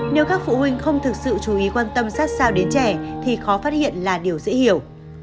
nếu các phụ huynh không thực sự chú ý quan tâm sát sao đến trẻ thì khó phát hiện là điều dễ hiểu